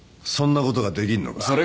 そんなことができるのか？